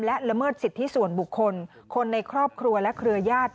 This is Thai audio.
และละเมิดสิทธิส่วนบุคคลคนในครอบครัวและเครือญาติ